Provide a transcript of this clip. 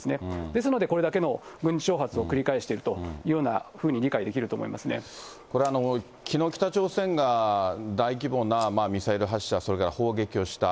ですので、これだけの軍事挑発を繰り返しているというような、これ、きのう北朝鮮が大規模なミサイル発射、それから砲撃をした。